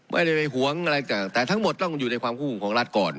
ไม่ได้ไปหวงอะไรต่างแต่ทั้งหมดต้องอยู่ในความคู่ของรัฐก่อน